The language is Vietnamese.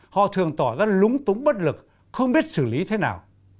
họ thường tỏ ra lúng túng bất lực không biết xử lý thế nào